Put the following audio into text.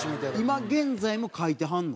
今現在も描いてはるの？